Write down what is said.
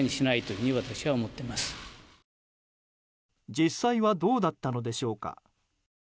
実際はどうだったのでしょうか。